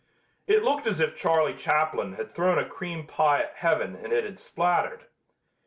It looked as if Charlie Chaplin had thrown a cream pie at heaven and it had splattered.